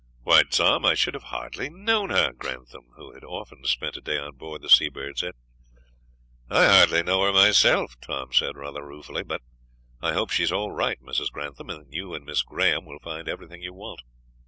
"Why, Tom, I should have hardly known her!" Grantham, who had often spent a day on board the Seabird, said. "I hardly know her myself," Tom said, rather ruefully; "but I hope she's all right, Mrs. Grantham, and that you and Miss Graham will find everything you want."